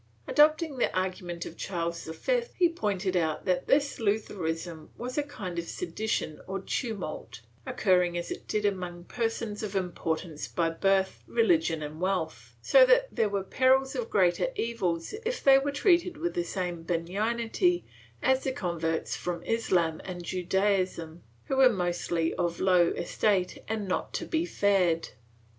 Adopting the argument of Charles V, he pointed out that this Lutheranism was a kind of sedition or tumult, occurring as it did among persons of importance by birth, religion and wealth, so that there was peril of greater evils if they were treated with the same benignity as the converts from Islam and Judaism, who were mostly of low estate and not to be feared.